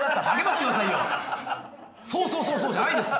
「そうそうそうそう」じゃないです